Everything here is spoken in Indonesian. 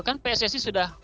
kan pssc sudah